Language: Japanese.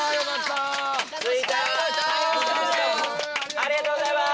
ありがとうございます！